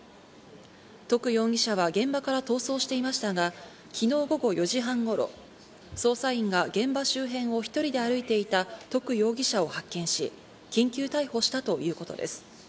徳容疑者は現場から逃走していましたが、昨日午後４時半頃、捜査員が現場周辺を１人で歩いていた徳容疑者を発見し、緊急逮捕したということです。